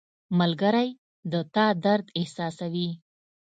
• ملګری د تا درد احساسوي.